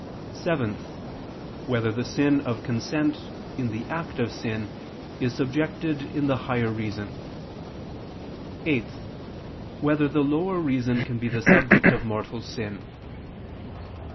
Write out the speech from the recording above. (7) Whether the sin of consent in the act of sin is subjected in the higher reason? (8) Whether the lower reason can be the subject of mortal sin?